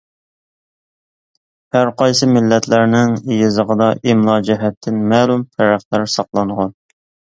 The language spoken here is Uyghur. ھەرقايسى مىللەتلەرنىڭ يېزىقىدا ئىملا جەھەتتىن مەلۇم پەرقلەر ساقلانغان.